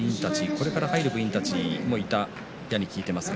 これから入る部員たちもいたというふうに聞いています。